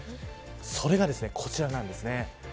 それがこちらなんです。